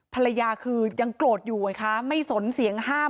ภรรยาคือยังโกรธอยู่ไงคะไม่สนเสียงห้าม